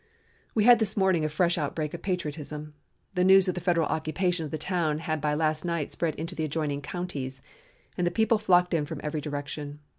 "We had this morning a fresh outbreak of patriotism. The news of the Federal occupation of the town had by last night spread into the adjoining counties, and the people flocked in from every direction.